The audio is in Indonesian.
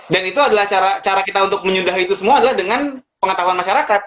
dan itu adalah cara kita untuk menyudahi itu semua adalah dengan pengetahuan masyarakat